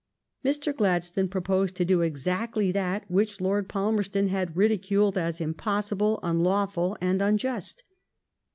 Mr. Gladstone pro posed to do exactly that which Lord Palmerston had ridiculed as impossible, unlawful, and unjust.